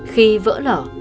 khi vỡ lở